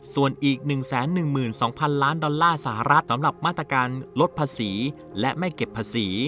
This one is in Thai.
ส่วนอีก๑๑๒๐๐๐ล้านดอลลาร์สหรัฐสำหรับมาตรการลดภาษีและไม่เก็บภาษี